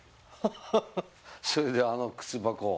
ハハそれであの靴箱を？